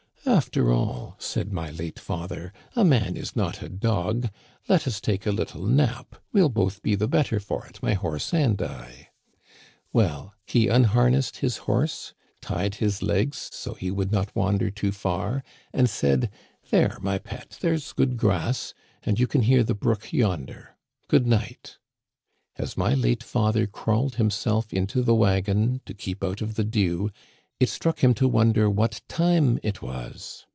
* After all,' said my late father, * a man is not a dog ! let us take a little nap ; we*ll both be the better for it, my horse and I.' Well, he unharnessed his horse, tied his legs so he would not wander too far, and said :* There, my pet, there's good grass, and you can hear the brook yonder. Good night' As my late father crawled himself into the wagon to keep out of the dew, it struck him to wonder what time it was.